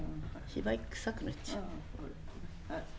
芝居くさくなっちゃう。